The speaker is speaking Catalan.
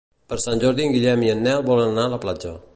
Per Sant Jordi en Guillem i en Nel volen anar a la platja.